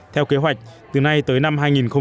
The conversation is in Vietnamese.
theo kế hoạch từ nay tới năm hai nghìn hai mươi